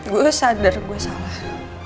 gue sadar gue salah